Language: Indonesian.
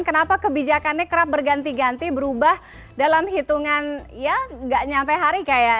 kenapa kebijakannya berganti ganti berubah dalam hitungan tidak sampai hari